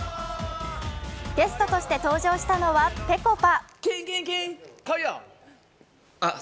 ゲストとして登場したのはぺこぱ。